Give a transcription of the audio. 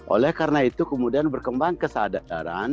oleh karena itu kemudian berkembang kesadaran